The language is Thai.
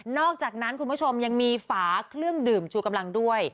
อกจากนั้นคุณผู้ชมยังมีฝาเครื่องดื่มชูกำลังด้วย